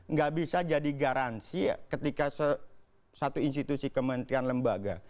nggak bisa jadi garansi ketika satu institusi kementerian lembaga